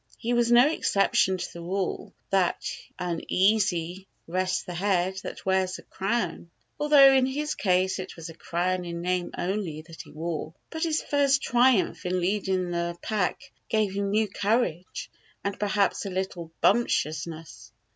He was no exception to the rule that "uneasy rests the head that wears a crown", al though in his case it was a crown in name only, that he wore. But his first triumph in leading the pack gave 16 Bumper's Ignorance Excites Suspicion 17 him new courage, and perhaps a little bumptuous ness.